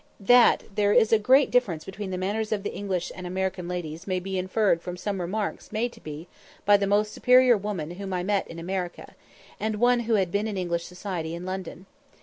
That there is a great difference between the manners of English and American ladies may be inferred from some remarks made to me by the most superior woman whom I met in America, and one who had been in English society in London.